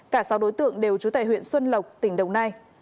cả sáu đối tượng đều trú tại huyện xuân lộc tỉnh đồng nai